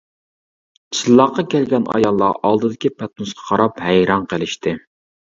چىللاققا كەلگەن ئاياللار ئالدىدىكى پەتنۇسقا قاراپ ھەيران قېلىشتى.